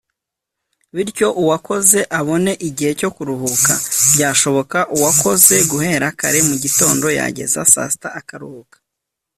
bityo uwakoze abone igihe cyo kuruhuka (byashoboka uwakoze guhera kare mu gitondo yageza saa sita akaruhuka